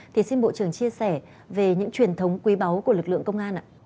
thì xin bộ trưởng chia sẻ về những truyền thống quý báu của lực lượng công an ạ